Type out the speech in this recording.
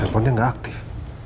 handphonenya gak aktif